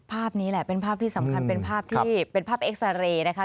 ภาพนี้แหละเป็นภาพที่สำคัญเป็นภาพที่เป็นภาพเอ็กซาเรย์นะคะ